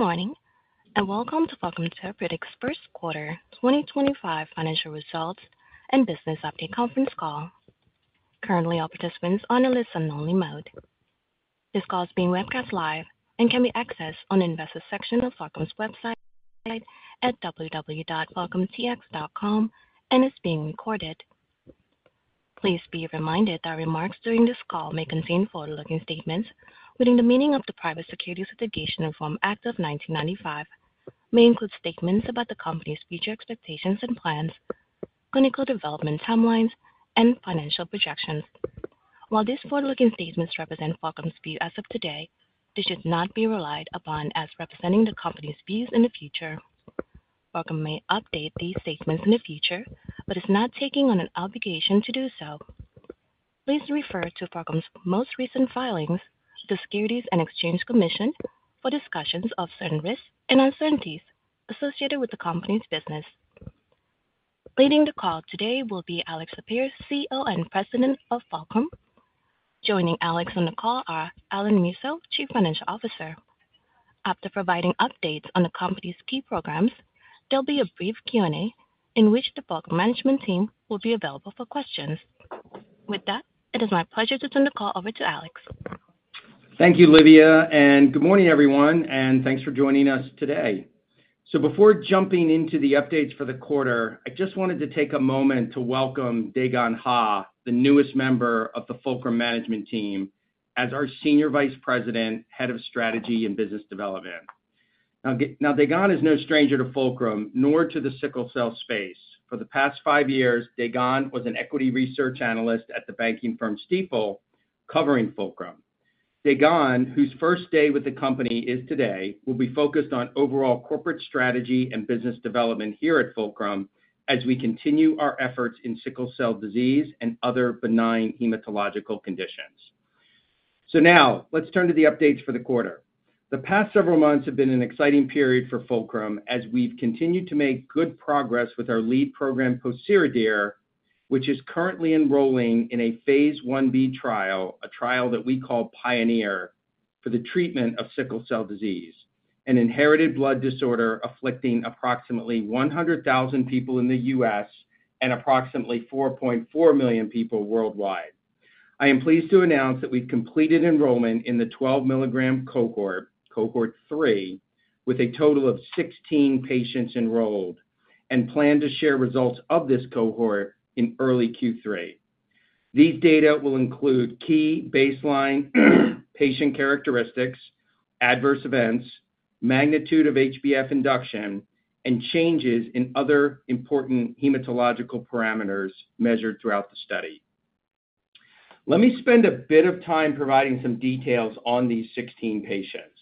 Good morning and welcome to Fulcrum Therapeutics' first quarter 2025 financial results and business update conference call. Currently, all participants are on a listen-only mode. This call is being webcast live and can be accessed on the investor section of Fulcrum's website at www.fulcrumtx.com, and it's being recorded. Please be reminded that remarks during this call may contain forward-looking statements within the meaning of the Private Securities Litigation Reform Act of 1995. They may include statements about the company's future expectations and plans, clinical development timelines, and financial projections. While these forward-looking statements represent Fulcrum's view as of today, they should not be relied upon as representing the company's views in the future. Fulcrum may update these statements in the future, but is not taking on an obligation to do so. Please refer to Fulcrum's most recent filings with the Securities and Exchange Commission for discussions of certain risks and uncertainties associated with the company's business. Leading the call today will be Alex Sapir, CEO and President of Fulcrum. Joining Alex on the call are Alan Musso, Chief Financial Officer. After providing updates on the company's key programs, there'll be a brief Q&A in which the Fulcrum Management Team will be available for questions. With that, it is my pleasure to turn the call over to Alex. Thank you, Lydia, and good morning, everyone, and thanks for joining us today. Before jumping into the updates for the quarter, I just wanted to take a moment to welcome Dae Gon Ha, the newest member of the Fulcrum Management Team, as our Senior Vice President, Head of Strategy and Business Development. Dae Gon is no stranger to Fulcrum, nor to the sickle cell space. For the past five years, Dae Gon was an equity research analyst at the banking firm Stifel, covering Fulcrum. Dae Gon, whose first day with the company is today, will be focused on overall corporate strategy and business development here at Fulcrum as we continue our efforts in sickle cell disease and other benign hematological conditions. Now, let's turn to the updates for the quarter. The past several months have been an exciting period for Fulcrum as we've continued to make good progress with our lead program, Pociredir, which is currently enrolling in a phase 1b trial, a trial that we call PIONEER, for the treatment of sickle cell disease, an inherited blood disorder afflicting approximately 100,000 people in the U.S. and approximately 4.4 million people worldwide. I am pleased to announce that we've completed enrollment in the 12 mg cohort, cohort three, with a total of 16 patients enrolled and plan to share results of this cohort in early Q3. These data will include key baseline patient characteristics, adverse events, magnitude of HbF induction, and changes in other important hematological parameters measured throughout the study. Let me spend a bit of time providing some details on these 16 patients.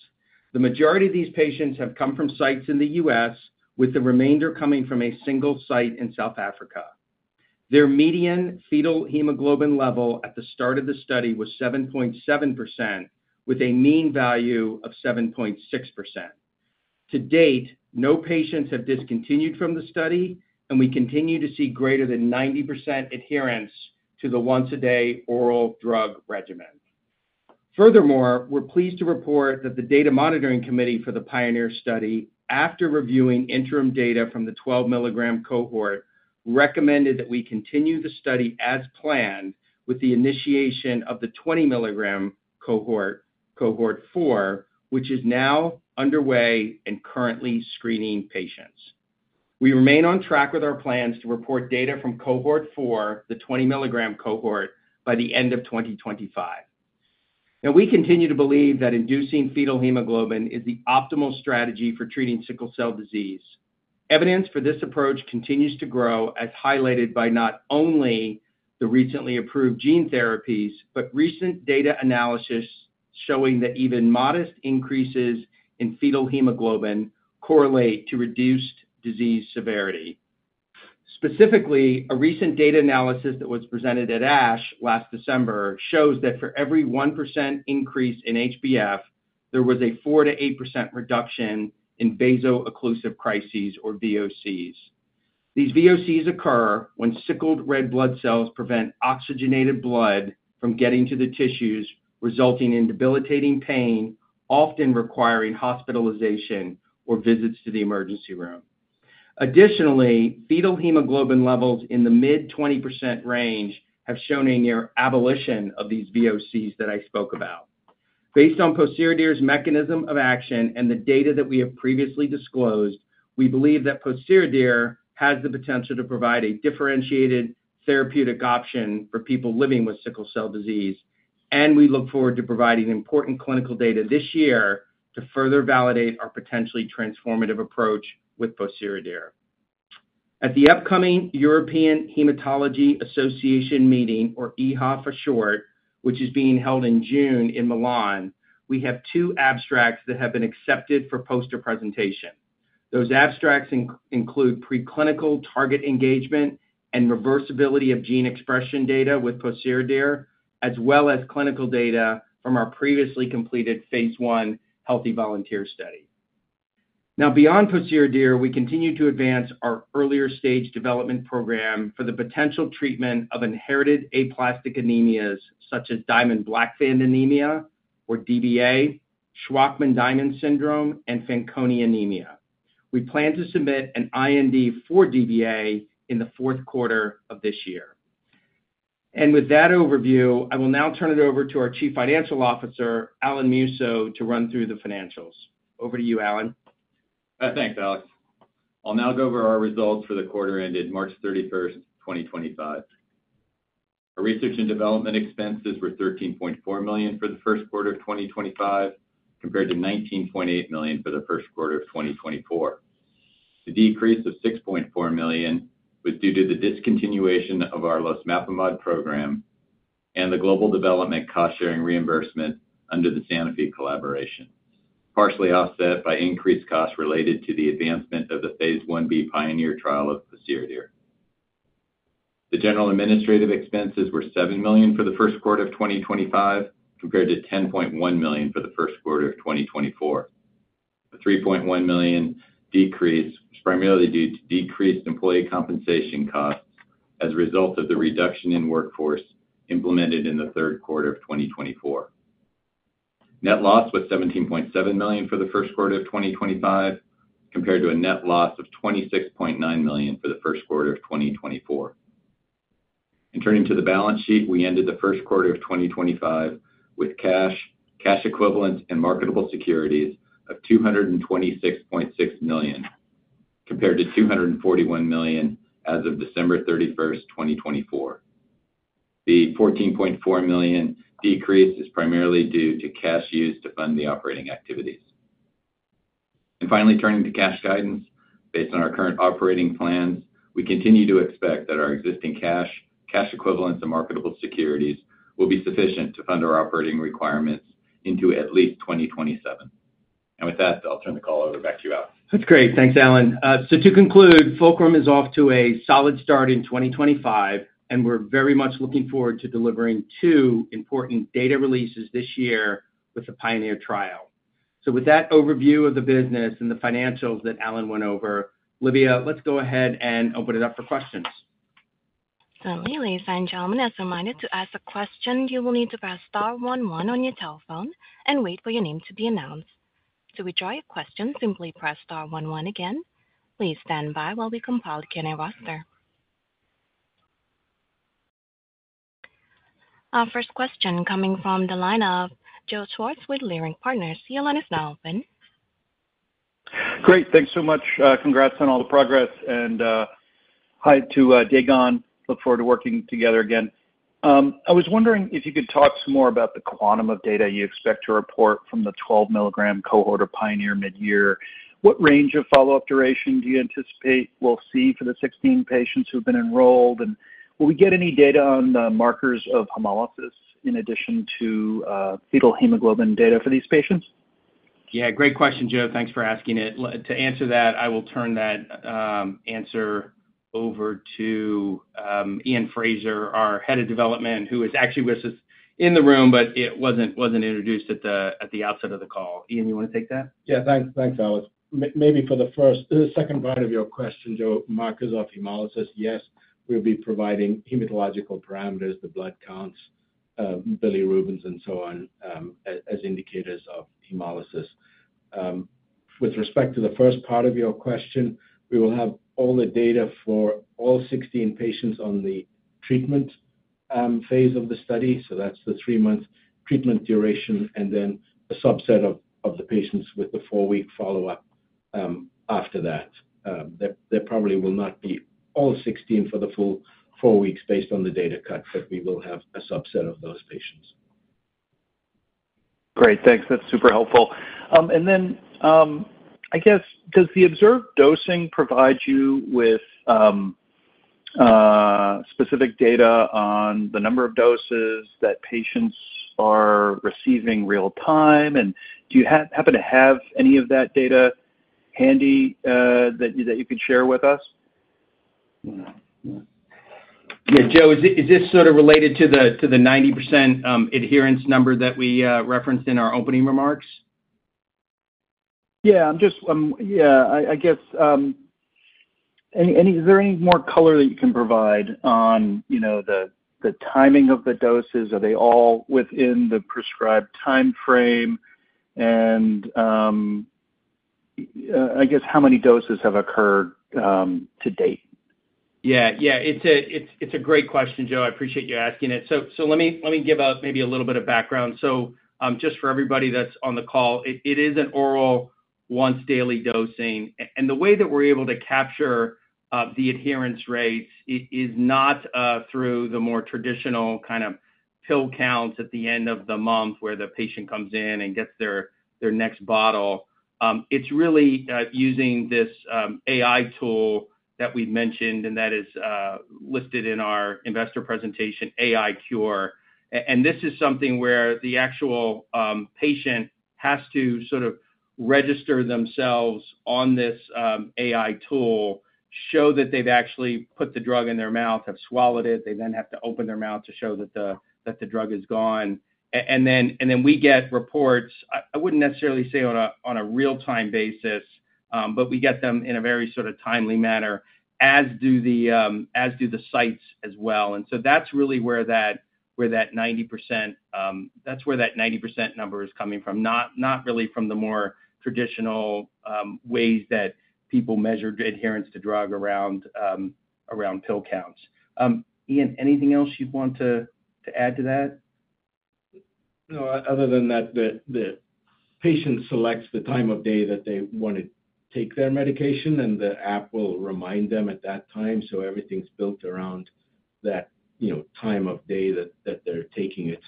The majority of these patients have come from sites in the U.S., with the remainder coming from a single site in South Africa. Their median fetal hemoglobin level at the start of the study was 7.7%, with a mean value of 7.6%. To date, no patients have discontinued from the study, and we continue to see greater than 90% adherence to the once-a-day oral drug regimen. Furthermore, we're pleased to report that the Data Monitoring Committee for the PIONEER study, after reviewing interim data from the 12 mg cohort, recommended that we continue the study as planned with the initiation of the 20 mg cohort, cohort four, which is now underway and currently screening patients. We remain on track with our plans to report data from cohort four, the 20 mg cohort, by the end of 2025. Now, we continue to believe that inducing fetal hemoglobin is the optimal strategy for treating sickle cell disease. Evidence for this approach continues to grow, as highlighted by not only the recently approved gene therapies, but recent data analysis showing that even modest increases in fetal hemoglobin correlate to reduced disease severity. Specifically, a recent data analysis that was presented at ASH last December shows that for every 1% increase in HbF, there was a 4%-8% reduction in vaso-occlusive crises, or VOCs. These VOCs occur when sickled red blood cells prevent oxygenated blood from getting to the tissues, resulting in debilitating pain, often requiring hospitalization or visits to the emergency room. Additionally, fetal hemoglobin levels in the mid-20% range have shown a near abolition of these VOCs that I spoke about. Based on Pociredir's mechanism of action and the data that we have previously disclosed, we believe that Pociredir has the potential to provide a differentiated therapeutic option for people living with sickle cell disease, and we look forward to providing important clinical data this year to further validate our potentially transformative approach with Pociredir. At the upcoming European Hematology Association meeting, or EHA for short, which is being held in June in Milan, we have two abstracts that have been accepted for poster presentation. Those abstracts include preclinical target engagement and reversibility of gene expression data with Pociredir, as well as clinical data from our previously completed phase 1 healthy volunteer study. Now, beyond Pociredir, we continue to advance our earlier-stage development program for the potential treatment of inherited aplastic anemias, such as Diamond-Blackfan anemia, or DBA, Shwachman-Diamond syndrome, and Fanconi anemia. We plan to submit an IND for DBA in the fourth quarter of this year. With that overview, I will now turn it over to our Chief Financial Officer, Alan Musso, to run through the financials. Over to you, Alan. Thanks, Alex. I'll now go over our results for the quarter ended March 31st, 2025. Our research and development expenses were $13.4 million for the first quarter of 2025, compared to $19.8 million for the first quarter of 2024. The decrease of $6.4 million was due to the discontinuation of our Losmapimod program and the global development cost-sharing reimbursement under the Sanofi collaboration, partially offset by increased costs related to the advancement of the phase 1b PIONEER trial of Pociredir. The general administrative expenses were $7 million for the first quarter of 2025, compared to $10.1 million for the first quarter of 2024. The $3.1 million decrease was primarily due to decreased employee compensation costs as a result of the reduction in workforce implemented in the third quarter of 2024. Net loss was $17.7 million for the first quarter of 2025, compared to a net loss of $26.9 million for the first quarter of 2024. Turning to the balance sheet, we ended the first quarter of 2025 with cash, cash equivalents, and marketable securities of $226.6 million, compared to $241 million as of December 31st, 2024. The $14.4 million decrease is primarily due to cash used to fund the operating activities. Finally, turning to cash guidance, based on our current operating plans, we continue to expect that our existing cash, cash equivalents, and marketable securities will be sufficient to fund our operating requirements into at least 2027. With that, I'll turn the call over back to you, Alex. That's great. Thanks, Alan. To conclude, Fulcrum is off to a solid start in 2025, and we're very much looking forward to delivering two important data releases this year with the PIONEER trial. With that overview of the business and the financials that Alan went over, Lydia, let's go ahead and open it up for questions. Ladies and gentlemen, as a reminder to ask a question, you will need to press star one on your telephone and wait for your name to be announced. To withdraw your question, simply press star one again. Please stand by while we compile the Q&A roster. Our first question coming from the line of Joe Schwartz with Leerink Partners. Your line is now open. Great. Thanks so much. Congrats on all the progress. Hi to Degan. Look forward to working together again. I was wondering if you could talk some more about the quantum of data you expect to report from the 12 mg cohort or PIONEER mid-year. What range of follow-up duration do you anticipate we'll see for the 16 patients who've been enrolled? Will we get any data on the markers of hemolysis in addition to fetal hemoglobin data for these patients? Yeah, great question, Joe. Thanks for asking it. To answer that, I will turn that answer over to Iain Fraser, our Head of Development, who was actually with us in the room, but was not introduced at the outset of the call. Iain, you want to take that? Yeah, thanks, Alex. Maybe for the second part of your question, Joe, markers of hemolysis, yes, we'll be providing hematological parameters, the blood counts, bilirubins, and so on, as indicators of hemolysis. With respect to the first part of your question, we will have all the data for all 16 patients on the treatment phase of the study. That's the three-month treatment duration, and then a subset of the patients with the four-week follow-up after that. There probably will not be all 16 for the full four weeks based on the data cut, but we will have a subset of those patients. Great. Thanks. That's super helpful. I guess, does the observed dosing provide you with specific data on the number of doses that patients are receiving real-time? Do you happen to have any of that data handy that you could share with us? Yeah, Joe, is this sort of related to the 90% adherence number that we referenced in our opening remarks? Yeah, I guess, is there any more color that you can provide on the timing of the doses? Are they all within the prescribed timeframe? I guess, how many doses have occurred to date? Yeah, yeah, it's a great question, Joe. I appreciate you asking it. Let me give maybe a little bit of background. Just for everybody that's on the call, it is an oral once-daily dosing. The way that we're able to capture the adherence rates is not through the more traditional kind of pill counts at the end of the month where the patient comes in and gets their next bottle. It's really using this AI tool that we've mentioned, and that is listed in our investor presentation, AiCure. This is something where the actual patient has to sort of register themselves on this AI tool, show that they've actually put the drug in their mouth, have swallowed it. They then have to open their mouth to show that the drug is gone. We get reports, I wouldn't necessarily say on a real-time basis, but we get them in a very sort of timely manner, as do the sites as well. That is really where that 90%—that's where that 90% number is coming from, not really from the more traditional ways that people measure adherence to drug around pill counts. Iain, anything else you'd want to add to that? No, other than that the patient selects the time of day that they want to take their medication, and the app will remind them at that time. Everything's built around that time of day that they're taking it,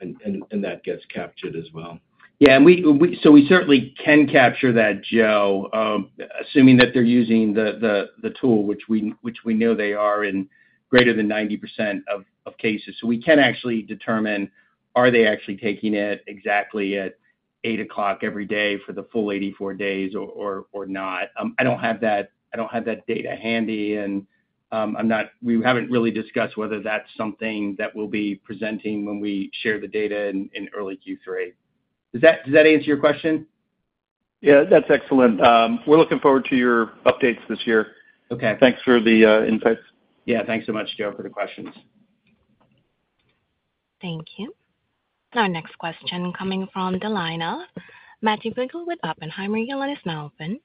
and that gets captured as well. Yeah, and we certainly can capture that, Joe, assuming that they're using the tool, which we know they are in greater than 90% of cases. We can actually determine, are they actually taking it exactly at 8:00 A.M. every day for the full 84 days or not? I don't have that data handy, and we haven't really discussed whether that's something that we'll be presenting when we share the data in early Q3. Does that answer your question? Yeah, that's excellent. We're looking forward to your updates this year. Thanks for the insights. Yeah, thanks so much, Joe, for the questions. Thank you. Our next question coming from the line of Matthew Biegler with Oppenheimer. You'll let us now open.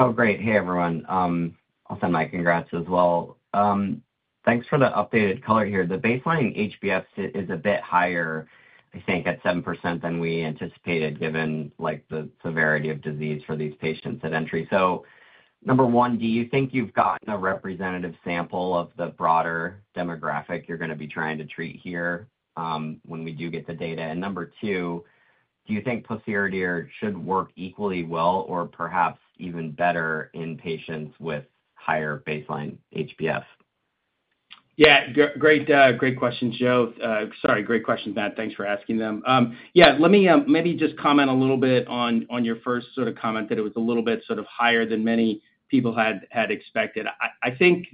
Oh, great. Hey, everyone. I'll send my congrats as well. Thanks for the updated color here. The baseline HbF is a bit higher, I think, at 7% than we anticipated, given the severity of disease for these patients at entry. Number one, do you think you've gotten a representative sample of the broader demographic you're going to be trying to treat here when we do get the data? Number two, do you think Pociredir should work equally well or perhaps even better in patients with higher baseline HbF? Yeah, great question, Joe. Sorry, great question, Matt. Thanks for asking them. Yeah, let me maybe just comment a little bit on your first sort of comment that it was a little bit sort of higher than many people had expected. I think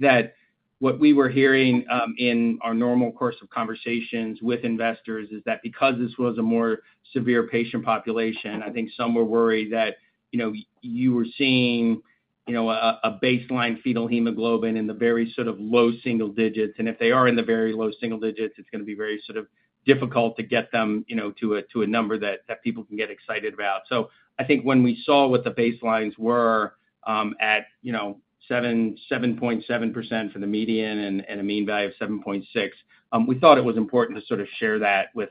that what we were hearing in our normal course of conversations with investors is that because this was a more severe patient population, I think some were worried that you were seeing a baseline fetal hemoglobin in the very sort of low single digits. And if they are in the very low single digits, it's going to be very sort of difficult to get them to a number that people can get excited about. I think when we saw what the baselines were at 7.7% for the median and a mean value of 7.6%, we thought it was important to sort of share that with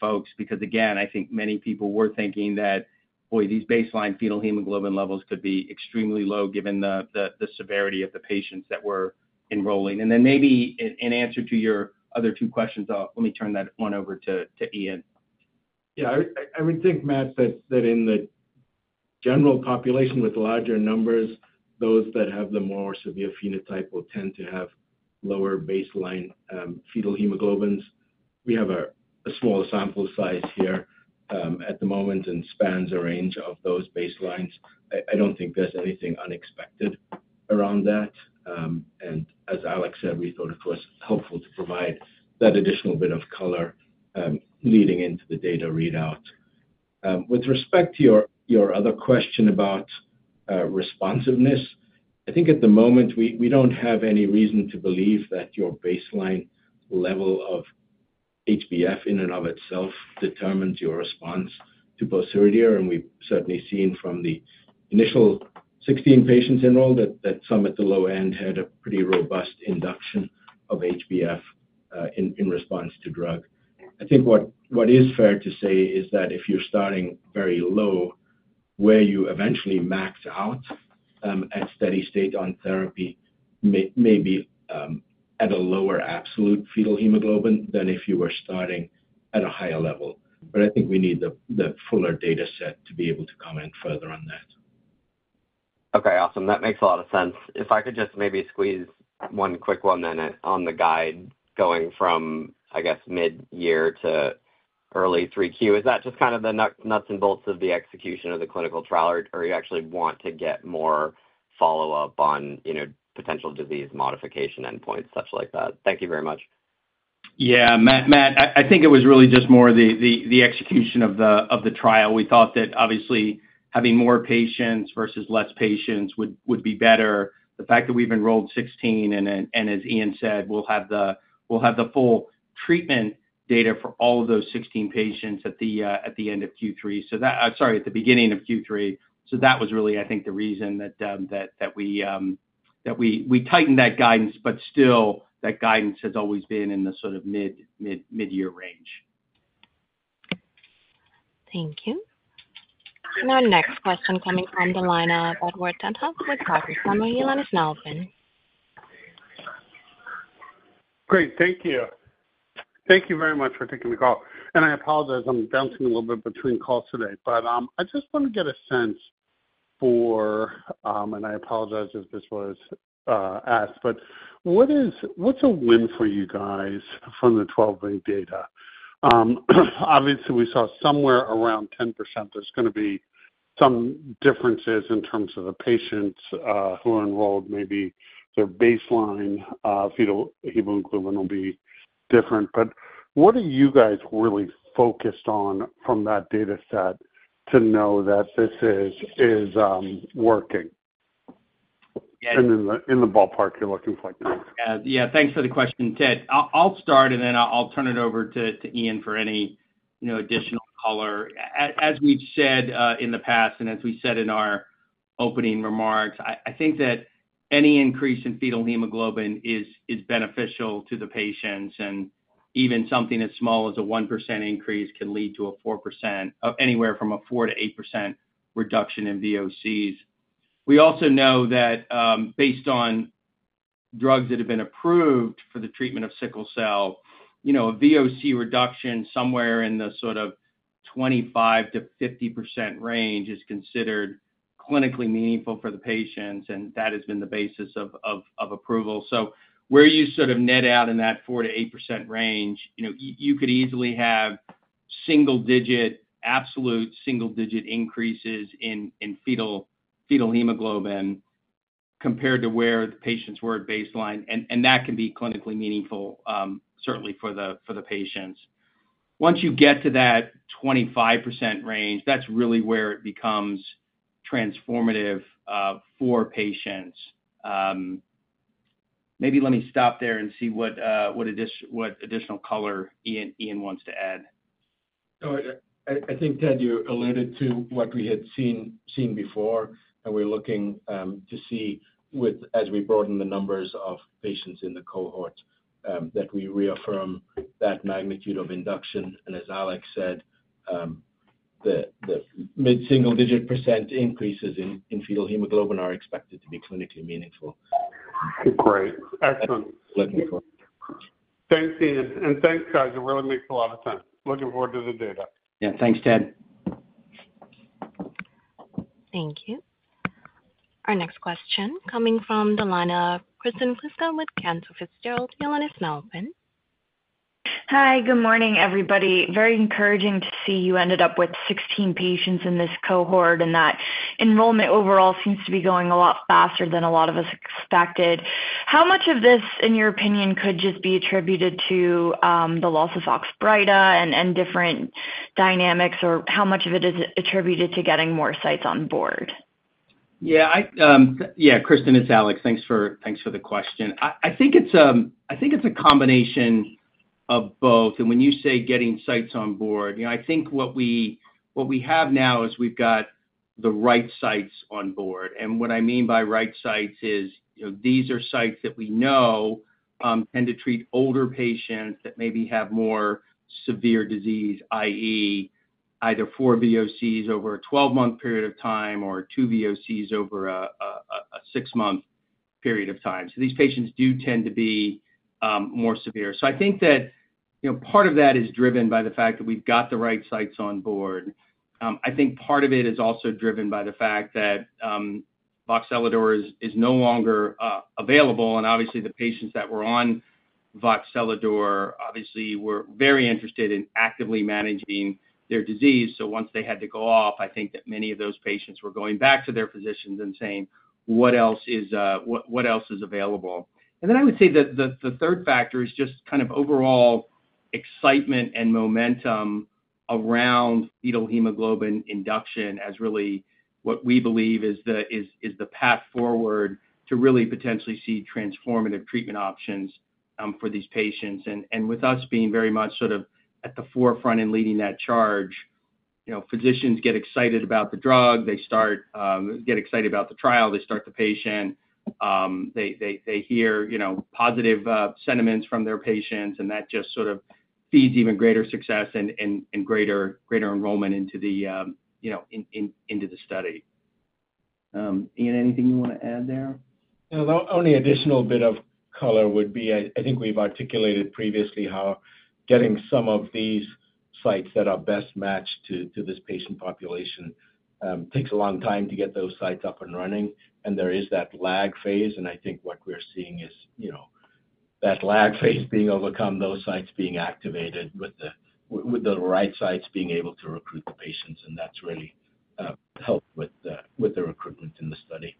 folks because, again, I think many people were thinking that, boy, these baseline fetal hemoglobin levels could be extremely low given the severity of the patients that were enrolling. Maybe in answer to your other two questions, let me turn that one over to Iain. Yeah, I would think, Matt, that in the general population with larger numbers, those that have the more severe phenotype will tend to have lower baseline fetal hemoglobins. We have a small sample size here at the moment and spans a range of those baselines. I do not think there is anything unexpected around that. As Alex said, we thought it was helpful to provide that additional bit of color leading into the data readout. With respect to your other question about responsiveness, I think at the moment we do not have any reason to believe that your baseline level of HbF in and of itself determines your response to Pociredir. We have certainly seen from the initial 16 patients enrolled that some at the low end had a pretty robust induction of HbF in response to drug. I think what is fair to say is that if you're starting very low, where you eventually max out at steady state on therapy may be at a lower absolute fetal hemoglobin than if you were starting at a higher level. I think we need the fuller data set to be able to comment further on that. Okay, awesome. That makes a lot of sense. If I could just maybe squeeze one quick one then on the guide going from, I guess, mid-year to early 3Q, is that just kind of the nuts and bolts of the execution of the clinical trial? Or you actually want to get more follow-up on potential disease modification endpoints, such like that? Thank you very much. Yeah, Matt, I think it was really just more the execution of the trial. We thought that obviously having more patients versus less patients would be better. The fact that we've enrolled 16, and as Iain said, we'll have the full treatment data for all of those 16 patients at the end of Q3, sorry, at the beginning of Q3. That was really, I think, the reason that we tightened that guidance, but still that guidance has always been in the sort of mid-year range. Thank you. Our next question coming from the line of Ted Tenthoff with Harvard Summer, Iain Fraser. Great. Thank you. Thank you very much for taking the call. I apologize, I'm bouncing a little bit between calls today, but I just want to get a sense for, and I apologize if this was asked, what's a win for you guys from the 12-week data? Obviously, we saw somewhere around 10%. There's going to be some differences in terms of the patients who are enrolled. Maybe their baseline fetal hemoglobin will be different. What are you guys really focused on from that data set to know that this is working? In the ballpark, you're looking for? Yeah, thanks for the question, Ted. I'll start, and then I'll turn it over to Iain for any additional color. As we've said in the past, and as we said in our opening remarks, I think that any increase in fetal hemoglobin is beneficial to the patients. Even something as small as a 1% increase can lead to a 4%-8% reduction in VOCs. We also know that based on drugs that have been approved for the treatment of sickle cell, a VOC reduction somewhere in the sort of 25%-50% range is considered clinically meaningful for the patients, and that has been the basis of approval. Where you sort of net out in that 4%-8% range, you could easily have single-digit, absolute single-digit increases in fetal hemoglobin compared to where the patients were at baseline. That can be clinically meaningful, certainly for the patients. Once you get to that 25% range, that's really where it becomes transformative for patients. Maybe let me stop there and see what additional color Iain wants to add. I think, Ted, you alluded to what we had seen before, and we're looking to see as we broaden the numbers of patients in the cohort that we reaffirm that magnitude of induction. As Alex said, the mid-single-digit % increases in fetal hemoglobin are expected to be clinically meaningful. Great. Excellent. Thanks, Iain. Thanks, guys. It really makes a lot of sense. Looking forward to the data. Yeah, thanks, Ted. Thank you. Our next question coming from the line of Kristen Kluska with Cantor Fitzgerald, Iain Fraser. Hi, good morning, everybody. Very encouraging to see you ended up with 16 patients in this cohort, and that enrollment overall seems to be going a lot faster than a lot of us expected. How much of this, in your opinion, could just be attributed to the loss of Oxbryta and different dynamics, or how much of it is attributed to getting more sites on board? Yeah, Kristen, it's Alex. Thanks for the question. I think it's a combination of both. When you say getting sites on board, I think what we have now is we've got the right sites on board. What I mean by right sites is these are sites that we know tend to treat older patients that maybe have more severe disease, i.e., either four VOCs over a 12-month period of time or two VOCs over a six-month period of time. These patients do tend to be more severe. I think that part of that is driven by the fact that we've got the right sites on board. I think part of it is also driven by the fact that Oxbryta is no longer available. Obviously, the patients that were on Oxbryta obviously were very interested in actively managing their disease. Once they had to go off, I think that many of those patients were going back to their physicians and saying, "What else is available?" I would say that the third factor is just kind of overall excitement and momentum around fetal hemoglobin induction as really what we believe is the path forward to really potentially see transformative treatment options for these patients. With us being very much sort of at the forefront and leading that charge, physicians get excited about the drug. They get excited about the trial. They start the patient. They hear positive sentiments from their patients, and that just sort of feeds even greater success and greater enrollment into the study. Iain, anything you want to add there? Yeah, the only additional bit of color would be I think we've articulated previously how getting some of these sites that are best matched to this patient population takes a long time to get those sites up and running. There is that lag phase. I think what we're seeing is that lag phase being overcome, those sites being activated with the right sites being able to recruit the patients. That's really helped with the recruitment in the study.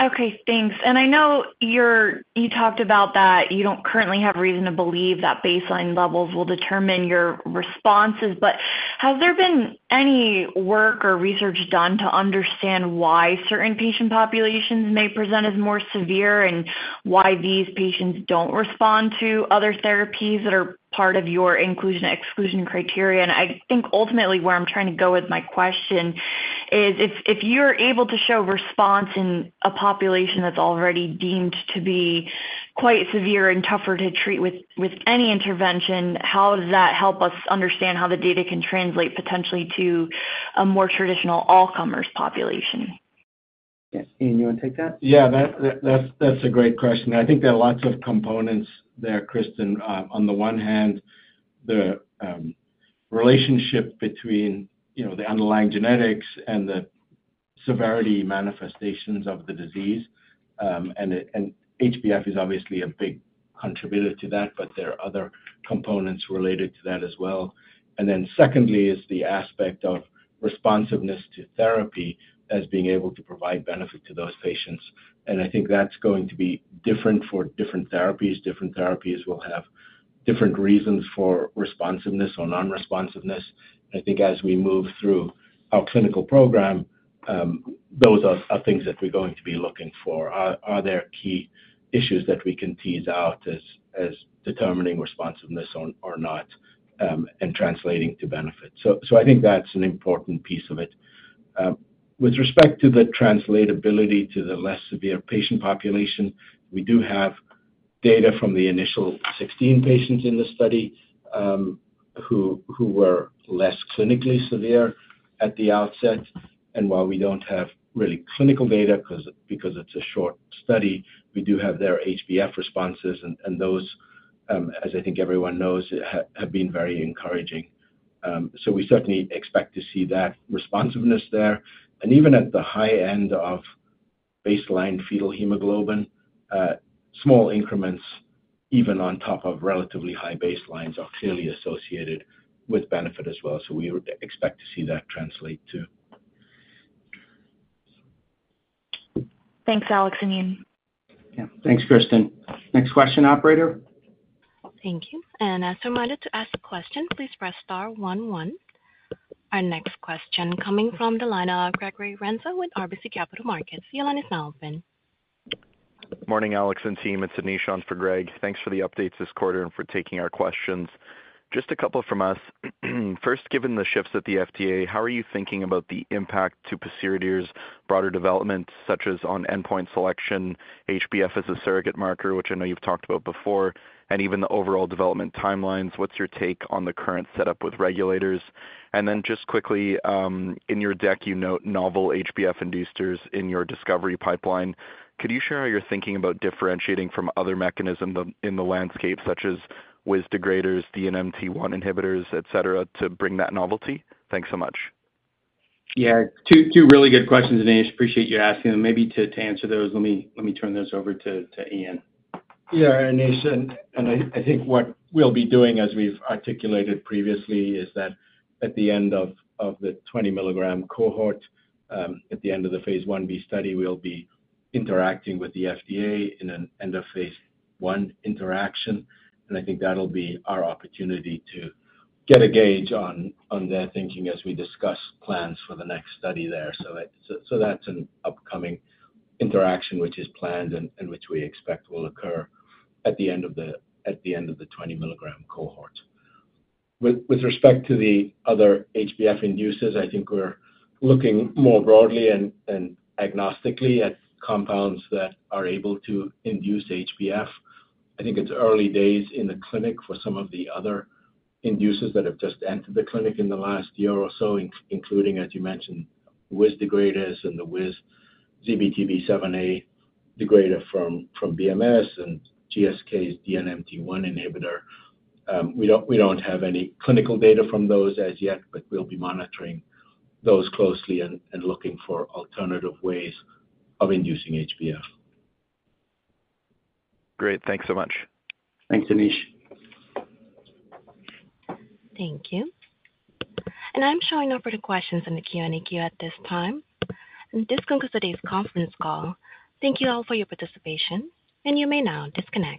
Okay, thanks. I know you talked about that you don't currently have reason to believe that baseline levels will determine your responses, but has there been any work or research done to understand why certain patient populations may present as more severe and why these patients don't respond to other therapies that are part of your inclusion/exclusion criteria? I think ultimately where I'm trying to go with my question is if you are able to show response in a population that's already deemed to be quite severe and tougher to treat with any intervention, how does that help us understand how the data can translate potentially to a more traditional all-comers population? Yeah, Iain, you want to take that? Yeah, that's a great question. I think there are lots of components there, Kristen. On the one hand, the relationship between the underlying genetics and the severity manifestations of the disease. HBF is obviously a big contributor to that, but there are other components related to that as well. Secondly is the aspect of responsiveness to therapy as being able to provide benefit to those patients. I think that's going to be different for different therapies. Different therapies will have different reasons for responsiveness or non-responsiveness. I think as we move through our clinical program, those are things that we're going to be looking for. Are there key issues that we can tease out as determining responsiveness or not and translating to benefit? I think that's an important piece of it. With respect to the translatability to the less severe patient population, we do have data from the initial 16 patients in the study who were less clinically severe at the outset. While we do not have really clinical data because it is a short study, we do have their HbF responses. Those, as I think everyone knows, have been very encouraging. We certainly expect to see that responsiveness there. Even at the high end of baseline fetal hemoglobin, small increments, even on top of relatively high baselines, are clearly associated with benefit as well. We expect to see that translate too. Thanks, Alex and Iain. Yeah, thanks, Kristen. Next question, operator. Thank you. As reminded to ask the question, please press star 11. Our next question coming from the line of Gregory Renza with RBC Capital Markets. Iain Fraser. Good morning, Alex and team. It's Anish on for Greg. Thanks for the updates this quarter and for taking our questions. Just a couple from us. First, given the shifts at the FDA, how are you thinking about the impact to Pociredir's broader development, such as on endpoint selection, HbF as a surrogate marker, which I know you've talked about before, and even the overall development timelines? What's your take on the current setup with regulators? Just quickly, in your deck, you note novel HbF inductors in your discovery pipeline. Could you share how you're thinking about differentiating from other mechanisms in the landscape, such as WIZ degraders, DNMT1 inhibitors, etc., to bring that novelty? Thanks so much. Yeah, two really good questions, Anish. Appreciate you asking them. Maybe to answer those, let me turn those over to Iain. Yeah, Anish. I think what we'll be doing, as we've articulated previously, is that at the end of the 20 mg cohort, at the end of the phase 1b study, we'll be interacting with the FDA in an end-of-phase-1 interaction. I think that'll be our opportunity to get a gauge on their thinking as we discuss plans for the next study there. That is an upcoming interaction which is planned and which we expect will occur at the end of the 20 mg cohort. With respect to the other HbF inducers, I think we're looking more broadly and agnostically at compounds that are able to induce HbF. I think it's early days in the clinic for some of the other inducers that have just entered the clinic in the last year or so, including, as you mentioned, WIS degraders and the WIS ZBTB7A degrader from BMS and GSK's DNMT1 inhibitor. We don't have any clinical data from those as yet, but we'll be monitoring those closely and looking for alternative ways of inducing HbF. Great. Thanks so much. Thanks, Anish. Thank you. I'm showing up for the questions in the Q&A queue at this time. This concludes today's conference call. Thank you all for your participation, and you may now disconnect.